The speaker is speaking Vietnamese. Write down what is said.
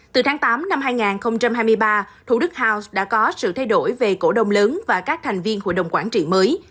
từ tháng tám năm hai nghìn hai mươi ba thủ đức house đã có sự thay đổi về cổ đông lớn và các thành viên hội đồng quản trị mới